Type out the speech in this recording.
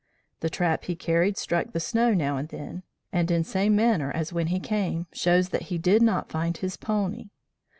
The trap he carried struck the snow now and then, and in same manner as when he came, shows that he did not find his pony.